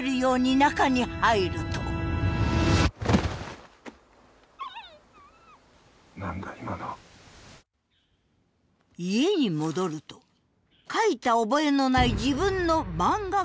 家に戻ると描いた覚えのない自分の漫画原稿が。